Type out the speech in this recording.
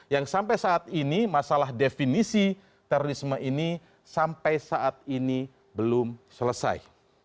yang sampai saat ini masalah definisi terorisme ini sampai saat ini belum selesai